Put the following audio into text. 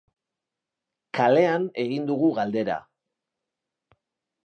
Kalean egin dugu galdera.